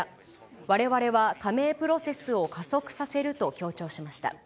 われわれは加盟プロセスを加速させると強調しました。